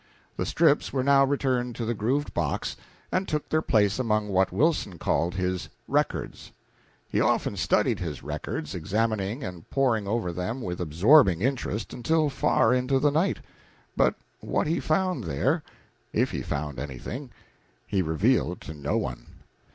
The strips were now returned to the grooved box, and took their place among what Wilson called his "records." He often studied his records, examining and poring over them with absorbing interest until far into the night; but what he found there if he found anything he revealed to no one.